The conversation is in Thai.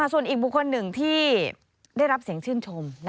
ส่วนอีกบุคคลหนึ่งที่ได้รับเสียงชื่นชม